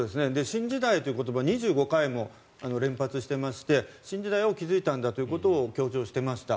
新時代という言葉２５回も連発していまして新時代を築いたんだということを強調してました。